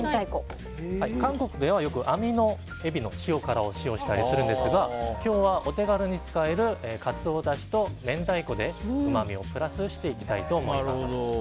韓国ではよくアミのエビの塩辛を使用したりするんですが今日はお手軽に使えるカツオだしと明太子でうまみをプラスしていきたいと思います。